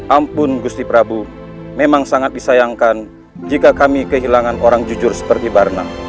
ampun gusti prabu memang sangat disayangkan jika kami kehilangan orang jujur seperti barna